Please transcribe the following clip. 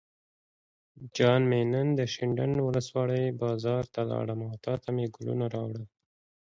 جان مې نن شینډنډ ولسوالۍ بازار ته لاړم او تاته مې ګلونه راوړل.